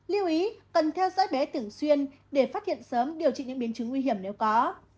lưu ý cần theo dõi bé thường xuyên để phát hiện sớm điều trị những biến chứng nguy hiểm nếu có